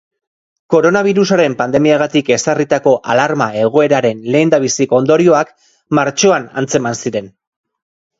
Koronabirusaren pandemiagatik ezarritako alarma-egoeraren lehendabiziko ondorioak martxoan antzeman ziren.